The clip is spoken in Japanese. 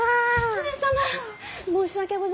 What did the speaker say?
上様申し訳ございません！